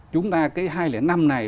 chúng ta cái hai nghìn năm này